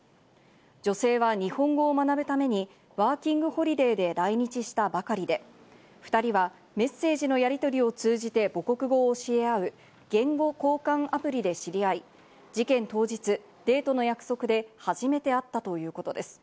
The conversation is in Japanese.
女性は日本語を学ぶためにワーキングホリデーで来日したばかりで、２人はメッセージのやりとりを通じて母国語を教え合う言語交換アプリで知り合い、事件当日デートの約束で初めて会ったということです。